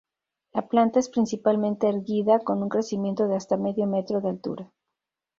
La planta es principalmente erguida, con un crecimiento de hasta medio metro de altura.